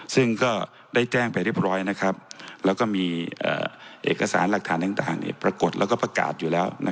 ซึ่งก็ได้แจ้งไปเรียบร้อยแล้วก็มีเอกสารหลักฐานต่างปรากฏแล้วก็ประกาศอยู่แล้ว